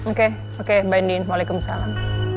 oke oke bandingin waalaikumsalam